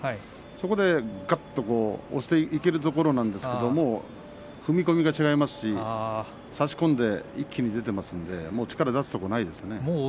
そこで、がっと押していけるところなんですけど踏み込みが違いますし差し込んで一気に出ていますので力を出すところがないですね。